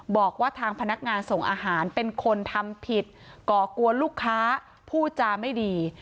บอกว่าทางพนักงานส่งอาหารเป็นคนทำผิดก่อกวนลูกค้าพูดจาไม่ดี